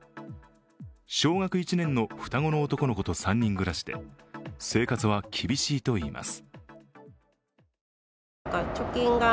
小学１年の双子の男の子と３人暮らしで、生活は厳しいといいます。